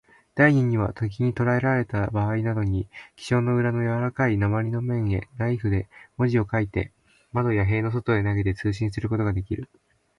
第二には、敵にとらえられたばあいなどに、記章の裏のやわらかい鉛の面へ、ナイフで文字を書いて、窓や塀の外へ投げて、通信することができる。